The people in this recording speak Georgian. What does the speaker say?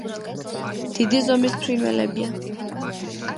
დიდი ზომის ფრინველებია.